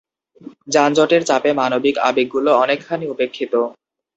যানজটের চাপে মানবিক আবেগগুলো অনেকখানি উপেক্ষিত।